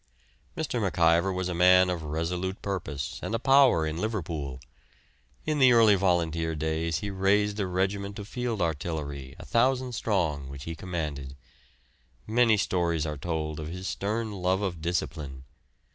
Mr. MacIver was a man of resolute purpose, and a power in Liverpool; in the early volunteer days he raised a regiment of field artillery, 1,000 strong, which he commanded. Many stories are told of his stern love of discipline.